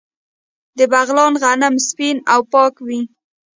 د بغلان غنم سپین او پاک وي.